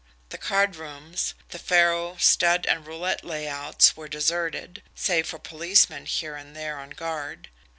The card rooms, the faro, stud, and roulette layouts were deserted, save for policemen here and there on guard.